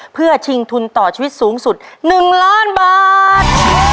เพื่อชิงทุนต่อชีวิตสูงสุด๑ล้านบาท